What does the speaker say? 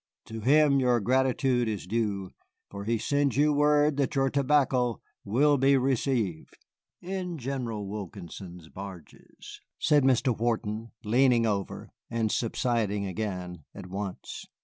To him your gratitude is due, for he sends you word that your tobacco will be received." "In General Wilkinson's barges," said Mr. Wharton, leaning over and subsiding again at once.